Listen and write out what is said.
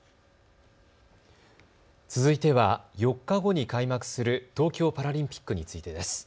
続いては４日後に開幕する東京パラリンピックについてです。